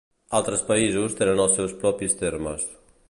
Altres països tenen els seus propis termes.